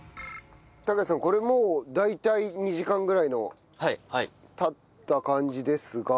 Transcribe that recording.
拓也さんこれもう大体２時間ぐらいの経った感じですが。